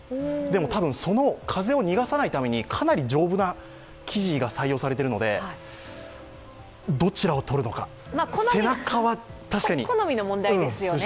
でも多分、その風を逃がさないためにかなり丈夫な生地が採用されているので、どちらをとるのか、背中は確かに涼しいです。